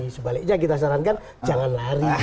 sebaliknya kita sarankan jangan lari